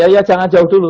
ya jangan jauh dulu